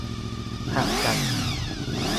ห่างกัน